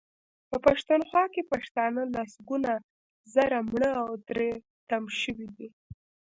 په پښتونخوا کې پښتانه لسګونه زره مړه او تري تم شوي دي.